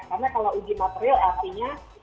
karena kalau uji material artinya